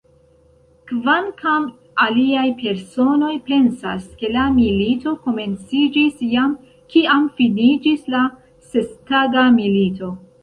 Kvankam aliaj personoj pensas, ke la milito komenciĝis jam, kiam finiĝis la Sestaga Milito.